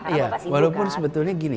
iya walaupun sebetulnya gini